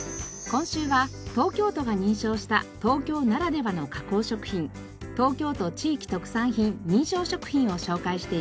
今週は東京都が認証した東京ならではの加工食品東京都地域特産品認証食品を紹介しています。